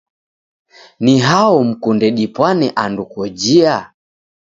Ni hao mkunde dipwane andu kojia?